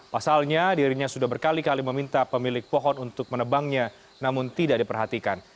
pasalnya dirinya sudah berkali kali meminta pemilik pohon untuk menebangnya namun tidak diperhatikan